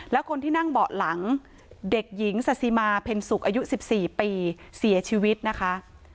และคนที่นั่งเบาะหลังเด็กหญิงซาซิมาเพ็ญสุขอายุ๑๔ปีเสียชีวิตนะคะ